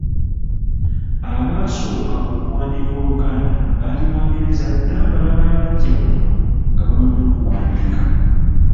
Abaasooka okuwandiika Oluganda baali Bangereza n'abala abajja kuno nga bamanyi okuwandiika.